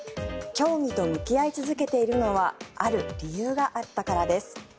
競技と向き合い続けているのはある理由があったからです。